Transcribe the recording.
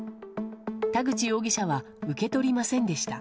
田口容疑者は受け取りませんでした。